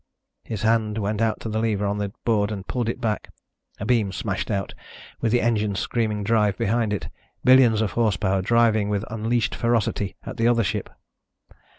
His hand went out to the lever on the board and pulled it back. A beam smashed out, with the engines' screaming drive behind it, billions of horsepower driving with unleashed ferocity at the other ship.